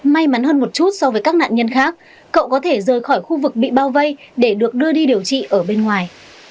may mắn hơn một chút so với các nạn nhân khác cậu có thể rời khỏi khu vực bị bao vây để được đưa đi điều trị ở bên ngoài